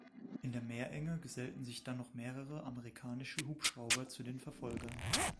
In der Meerenge gesellten sich dann noch mehrere amerikanische Hubschrauber zu den Verfolgern.